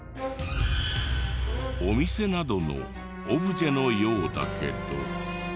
お店などのオブジェのようだけど。